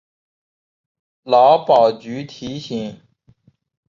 劳保局提醒